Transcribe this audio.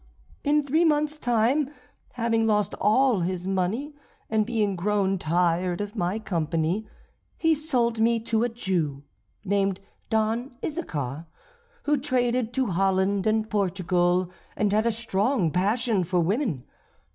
In three months time, having lost all his money, and being grown tired of my company, he sold me to a Jew, named Don Issachar, who traded to Holland and Portugal, and had a strong passion for women.